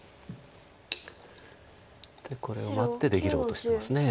これを待って出切ろうとしてます。